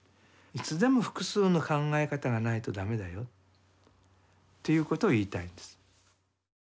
いつでも複数の考え方がないとダメだよっていうことを言いたいんです。